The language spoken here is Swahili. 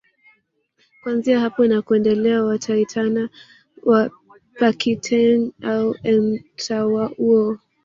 Kuanzia hapo na kuendelea wataitana Pakiteng au Entawuo